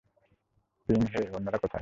Ping হে ও অন্যরা কোথায়?